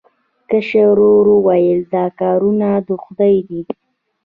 کشر ورور وویل دا کارونه د خدای دي.